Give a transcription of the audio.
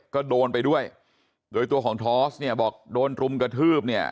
ก็โดนไปด้วยโดยตัวของทอสเนี่ยบอกโดนรุมกระทืบเนี่ย